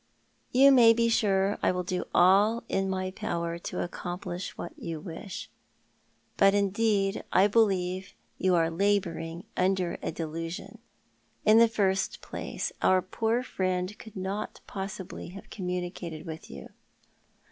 You may be sure I will do all in my power to accomplish what you wish. Bat, indeed, I believe you are labouring under a delusion. In the first place our poor friend could not possibly have communicated with you."